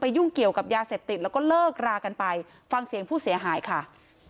ยุ่งเกี่ยวกับยาเสพติดแล้วก็เลิกรากันไปฟังเสียงผู้เสียหายค่ะ